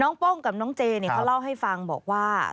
โป้งกับน้องเจเนี่ยเขาเล่าให้ฟังบอกว่า